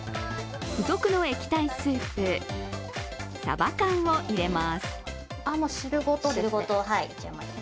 付属の液体スープ、サバ缶を入れます。